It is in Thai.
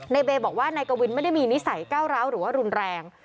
เบย์บอกว่านายกวินไม่ได้มีนิสัยก้าวร้าวหรือว่ารุนแรง